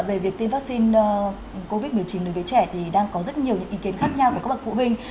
về việc tiêm vaccine covid một mươi chín đến đứa trẻ thì đang có rất nhiều những ý kiến khác nhau của các bậc phụ huynh